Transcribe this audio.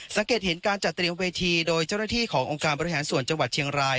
สังเกตเห็นการจัดเตรียมเวทีโดยเจ้าหน้าที่ขององค์การบริหารส่วนจังหวัดเชียงราย